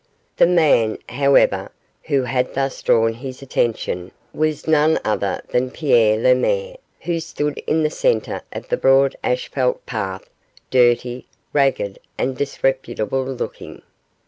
The man, however, who had thus drawn his attention was none other than Pierre Lemaire, who stood in the centre of the broad asphalt path, dirty, ragged and disreputable looking.